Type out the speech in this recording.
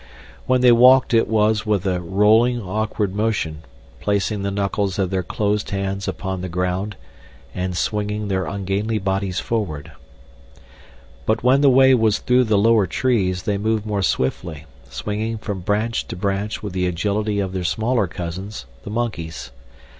When they walked it was with a rolling, awkward motion, placing the knuckles of their closed hands upon the ground and swinging their ungainly bodies forward. But when the way was through the lower trees they moved more swiftly, swinging from branch to branch with the agility of their smaller cousins, the monkeys.